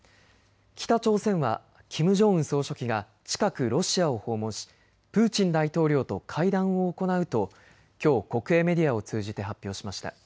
北朝鮮はキム・ジョンウン総書記が近くロシアを訪問しプーチン大統領と会談を行うときょう国営メディアを通じて発表しました。